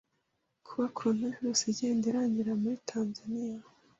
kuba coronavirus igenda irangira muri Tanzania